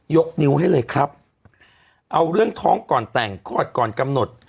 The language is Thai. ยกนิ้วให้เลยครับเอาเรื่องท้องก่อนแต่งคลอดก่อนกำหนด